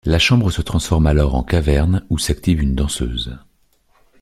La chambre se transforme alors en caverne, où s'active une danseuse.